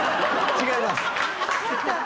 違います。